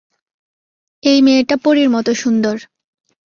এই মেয়েটা পরীর মতো সুন্দর।